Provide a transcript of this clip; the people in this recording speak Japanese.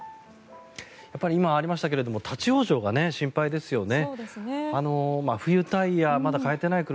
今ありましたが立ち往生が心配ですよね。